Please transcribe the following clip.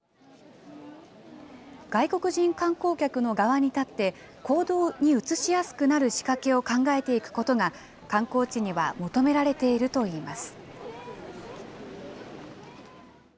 外国人観光客の側に立って、行動に移しやすくなる仕掛けを考えていくことが、観光地には求められているといいます。